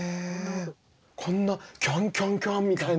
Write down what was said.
こんな「キャンキャンキャン」みたいな。